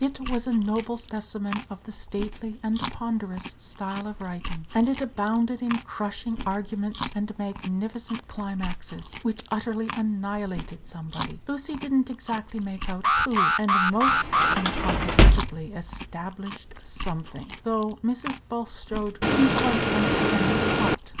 It was a noble specimen of the stately and ponderous style of writing, and it abounded in crushing arguments and magnificent climaxes, which utterly annihilated somebody (Lucy did n't exactly make out who), and most incontrovertibly established something, though Mrs. Bulstrode could n't quite understand what.